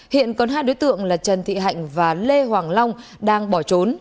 hiện còn hai đối tượng là trần thị hạnh và lê hoàng long đang bỏ trốn